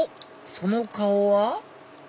その顔は？